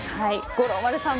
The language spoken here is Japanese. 五郎丸さん